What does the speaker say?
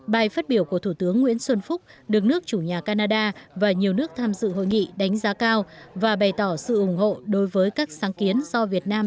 bài phát biểu của thủ tướng nguyễn xuân phúc được nước chủ nhà canada và nhiều nước tham dự hội nghị đánh giá cao và bày tỏ sự ủng hộ đối với các sáng kiến do việt nam